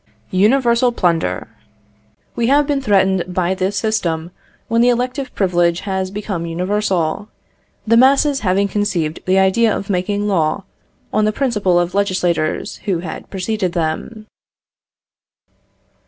Universal plunder. We have been threatened by this system when the elective privilege has become universal; the masses having conceived the idea of making law, on the principle of legislators who had preceded them.